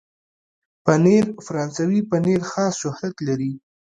پنېر فرانسوي پنېر خاص شهرت لري.